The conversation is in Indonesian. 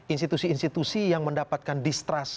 institusi institusi yang mendapatkan distrust